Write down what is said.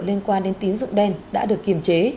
liên quan đến tín dụng đen đã được kiềm chế